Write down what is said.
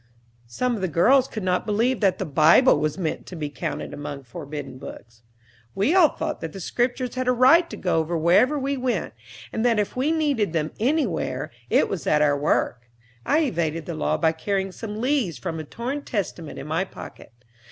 Some of the girls could not believe that the Bible was meant to be counted among forbidden books. We all thought that the Scriptures had a right to go wherever we went, and that if we needed them anywhere, it was at our work. I evaded the law by carrying some leaves from a torn Testament in my pocket.